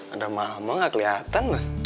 ada mama gak kelihatan lah